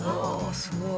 すごい。